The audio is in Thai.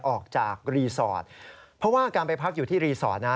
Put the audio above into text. ออกจากรีสอร์ทเพราะว่าการไปพักอยู่ที่รีสอร์ทนะ